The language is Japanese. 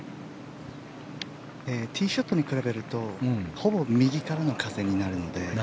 ティーショットに比べるとほぼ右からの風になるので。